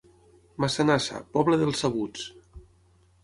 Massanassa, poble dels sabuts.